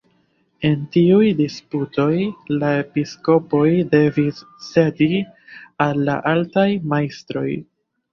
En tiuj disputoj la episkopoj devis cedi al la altaj majstroj.